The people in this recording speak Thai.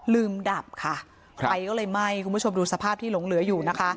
ดับค่ะไฟก็เลยไหม้คุณผู้ชมดูสภาพที่หลงเหลืออยู่นะคะ